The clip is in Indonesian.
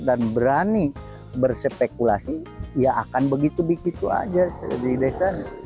dan berani bersepekulasi ya akan begitu begitu saja di desa